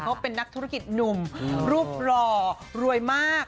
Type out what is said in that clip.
เขาเป็นนักธุรกิจหนุ่มรูปหล่อรวยมาก